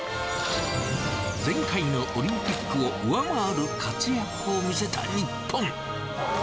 前回のオリンピックを上回る活躍を見せた日本。